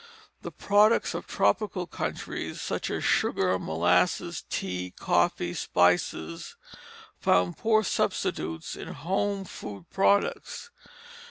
The products of tropical countries, such as sugar, molasses, tea, coffee, spices, found poor substitutes in home food products.